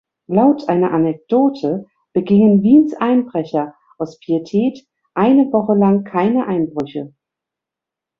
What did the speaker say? Laut einer Anekdote begingen Wiens Einbrecher aus Pietät eine Woche lang keine Einbrüche.